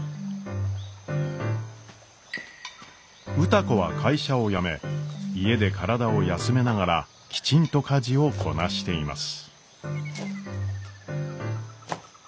歌子は会社を辞め家で体を休めながらきちんと家事をこなしています。